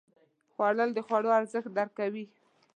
خوړل د خوړو ارزښت درک کوي